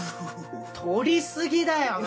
取り過ぎだよお前